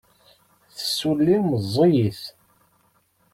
Tessulli meẓẓiyet.